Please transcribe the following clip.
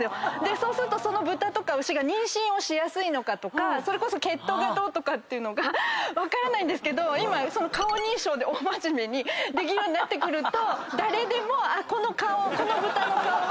そうするとその豚とか牛が妊娠をしやすいのかとかそれこそ血統がどうとかっていうのが分からないけど今顔認証でできるようになってくると誰でもこの豚の顔は。